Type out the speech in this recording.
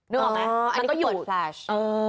นึกออกไหมมันก็อยู่อ๋ออันนี้เปิดแฟลช์